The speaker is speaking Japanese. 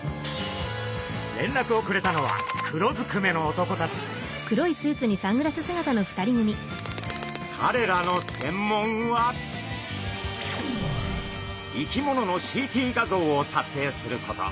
れんらくをくれたのはかれらの専門は生き物のＣＴ画像を撮影すること。